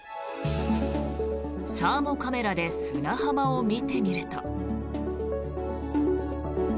サーモカメラで砂浜を見てみると。